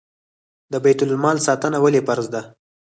د بیت المال ساتنه ولې فرض ده؟